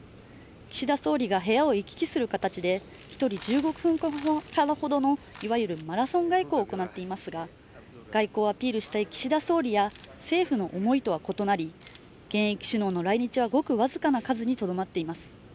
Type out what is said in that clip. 岸田総理が部屋を行き来する形で一人１５分間のほどのいわゆるマラソン外交を行っていますが外交アピールしたい岸田総理や政府の思いとは異なり現役首脳の来日はごくわずかな数にとどまっています